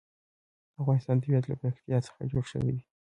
د افغانستان طبیعت له پکتیا څخه جوړ شوی دی.